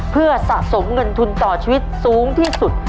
เพื่อสะสมเงินทุนต่อชีวิตสูงที่สุด